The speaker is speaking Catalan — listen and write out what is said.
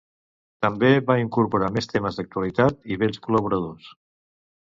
També va incorporar més temes d'actualitat i vells col·laboradors.